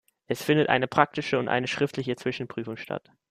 Es findet eine praktische und eine schriftliche Zwischenprüfung statt.